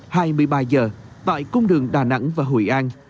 tại giờ tại cung đường đà nẵng và hội an